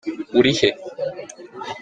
Uri he?